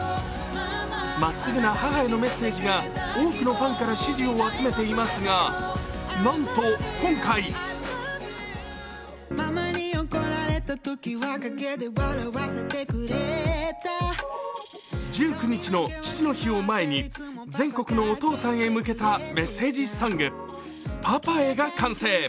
まっすぐな母へのメッセージが多くのファンから支持を集めてますがなんと今回１９日の父の日を前に、全国のお父さんへ向けたメッセージソング、「パパへ」が完成。